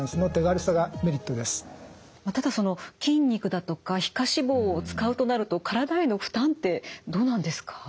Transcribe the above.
ただその筋肉だとか皮下脂肪を使うとなると体への負担ってどうなんですか？